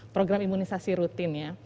program imunisasi rutin ya